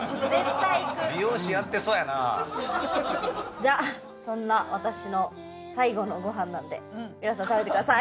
じゃあそんな私の最後のごはんなんで皆さん食べてください！